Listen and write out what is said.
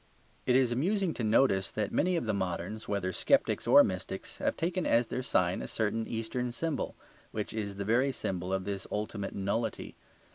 It is amusing to notice that many of the moderns, whether sceptics or mystics, have taken as their sign a certain eastern symbol, which is the very symbol of this ultimate nullity.